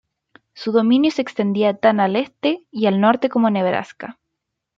Su dominio se extendía tan al este y al norte como Nebraska.